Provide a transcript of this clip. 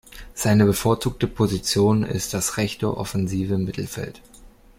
Seine bevorzugte Position ist das rechte offensive Mittelfeld.